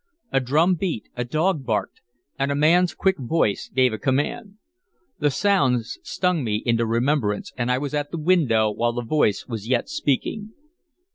A drum beat, a dog barked, and a man's quick voice gave a command. The sounds stung me into remembrance, and I was at the window while the voice was yet speaking.